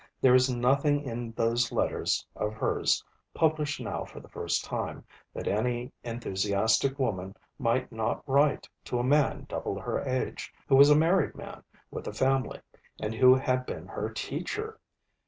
There is nothing in those letters of hers, published now for the first time, that any enthusiastic woman might not write to a man double her age, who was a married man with a family, and who had been her teacher.